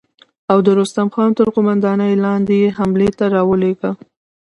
او د رستم خان تر قوماندې لاندې يې حملې ته را ولېږه.